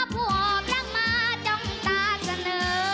พวกรักมาจ้องตาเสนอ